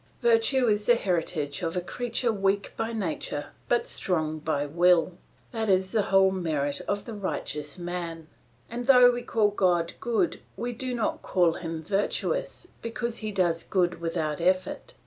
Virtue is the heritage of a creature weak by nature but strong by will; that is the whole merit of the righteous man; and though we call God good we do not call Him virtuous, because He does good without effort.